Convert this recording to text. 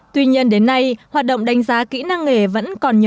tuy nhiên đến nay hoạt động đánh giá kỹ năng nghề vẫn còn nhiều